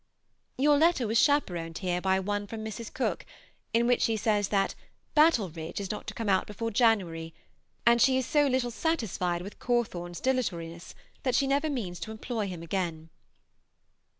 Your letter was chaperoned here by one from Mrs. Cooke, in which she says that "Battleridge" is not to come out before January, and she is so little satisfied with Cawthorn's dilatoriness that she never means to employ him again.